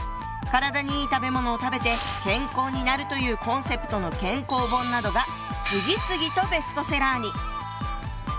体にいい食べ物を食べて健康になるというコンセプトの健康本などが次々とベストセラーに！